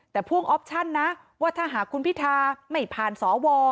แต่พ่วงออปชั่นนะว่าถ้าหากคุณพิธาไม่ผ่านสว